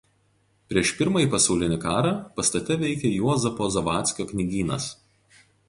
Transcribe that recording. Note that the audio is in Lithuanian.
Prieš pirmąjį pasaulinį karą pastate veikė Juozapo Zavadskio knygynas.